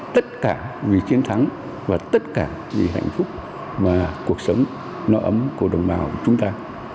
tất cả vì chiến thắng và tất cả vì hạnh phúc và cuộc sống no ấm của đồng bào chúng ta